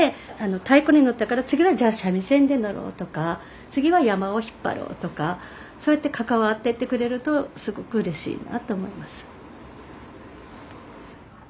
太鼓にのったから次はじゃあ三味線でのろうとか次は山車を引っ張ろうとかそうやって関わってってくれるとすごくうれしいなあと思います。